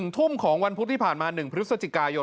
ทุ่มของวันพุธที่ผ่านมา๑พฤศจิกายน